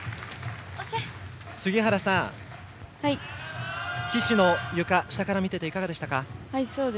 杉原さん、岸のゆか下から見ていていかがでしたか？